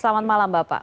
selamat malam bapak